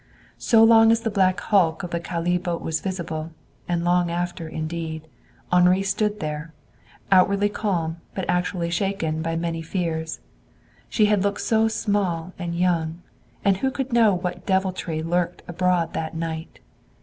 So long as the black hulk of the Calais boat was visible, and long after indeed, Henri stood there, outwardly calm but actually shaken by many fears. She had looked so small and young; and who could know what deviltry lurked abroad that night?